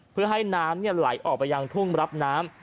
เพื่อให้น้ำไหลออกไปยังทุ่งรับน้ำ